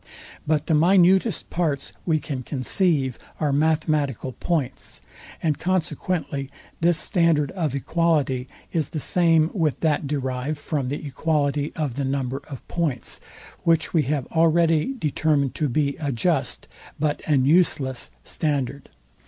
But the minutest parts we can conceive are mathematical points; and consequently this standard of equality is the same with that derived from the equality of the number of points; which we have already determined to be a just but an useless standard.